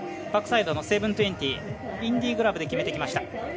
バックサイドの７２０、インディグラブで決めてきました。